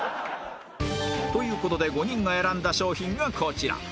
という事で５人が選んだ商品がこちら